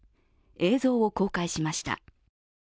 映像を公開しました。